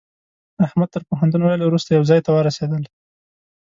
احمد تر پوهنتون ويلو روسته يوه ځای ته ورسېدل.